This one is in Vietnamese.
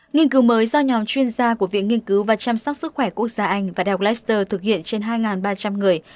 nghiên cứu mới do nhóm chuyên gia của viện nghiên cứu và chăm sóc sức khỏe quốc gia anh và delleser thực hiện trên hai ba trăm linh người